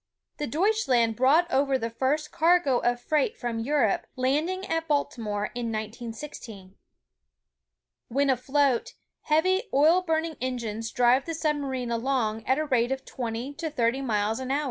The Deutschland brought over the first cargo of freight from Europe, landing at Baltimore in 1916. When afloat, heavy oil burning engines drive the sub marine along at a rate of twenty to thirty miles an hour.